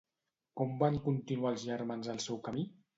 Com van continuar els germans el seu camí?